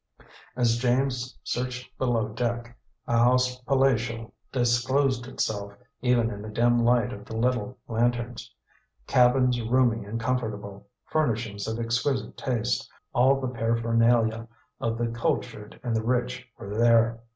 As James searched below deck, a house palatial disclosed itself, even in the dim light of the little lanterns. Cabins roomy and comfortable, furnishings of exquisite taste, all the paraphernalia of the cultured and the rich were there.